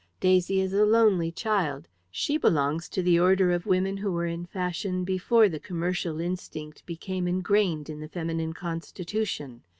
Daisy is a lonely child. She belongs to the order of women who were in fashion before the commercial instinct became ingrained in the feminine constitution.